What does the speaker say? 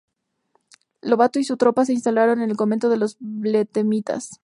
Lobato y su tropa se instalaron en el convento de las Betlemitas.